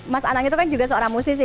mas anang itu kan juga seorang musisi